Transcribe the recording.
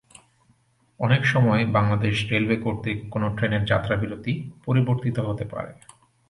অনেকসময় বাংলাদেশ রেলওয়ে কর্তৃক কোনো ট্রেনের যাত্রাবিরতি পরিবর্তিত হতে পারে।